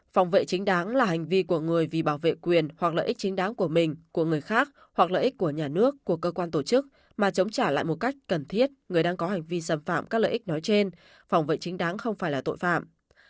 phòng vệ chính đáng là hành vi của người vì bảo vệ quyền hoặc lợi ích chính đáng của mình của người khác hoặc lợi ích của nhà nước của cơ quan tổ chức mà chống trả lại một cách cần thiết người đang có hành vi xâm phạm các lợi ích nói trên phòng vệ chính đáng không phải là tội phạm